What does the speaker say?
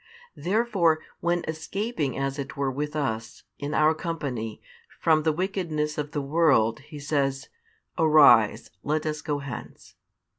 Therefore, when escaping as it were with us, in our company, from the wickedness of the world, He says, Arise, let us go hence.